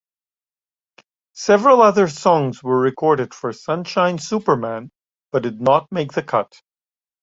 Several other songs were recorded for "Sunshine Superman", but did not make the cut.